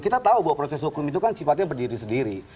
kita tahu bahwa proses hukum itu kan sifatnya berdiri sendiri